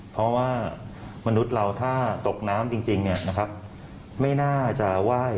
เพราะว่ามนุษย์เราถ้าตกน้ำจริงเนี่ยนะครับไม่น่าจะไหว้